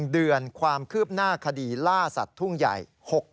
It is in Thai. เดือนความคืบหน้าคดีล่าสัตว์ทุ่งใหญ่